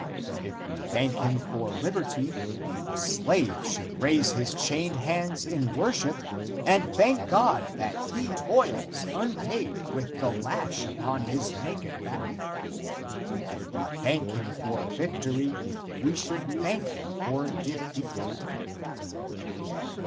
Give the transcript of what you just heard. If we thank him for liberty, the slave should raise his chained hands in worship and thank God that he toils unpaid with the lash upon his naked back. If we thank him for victory we should thank him for defeat.